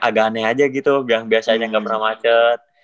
aneh aja gitu biasanya gak pernah macet